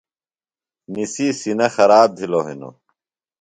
نِسی سِینہ خراب بِھلوۡ ہِنوۡ۔